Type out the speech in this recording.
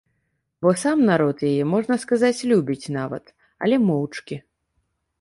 Бо сам народ яе, можна сказаць, любіць нават, але моўчкі.